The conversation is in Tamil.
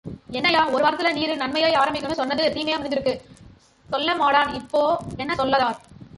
என்னய்யா... ஒருவாரத்துல நீரு நன்மையாய் ஆரம்பிக்குமுன்னு சொன்னது தீமையாய் முடிஞ்சிருக்கு... சொள்ளமாடன் இப்போ என்ன சொல்லதார்?